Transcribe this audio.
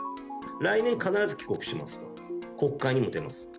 来年、必ず帰国します、国会にも出ます。